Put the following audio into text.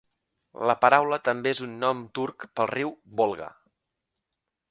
La paraula també és un nom turc pel riu Volga.